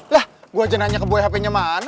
lah gua aja nanya ke boy hpnya mana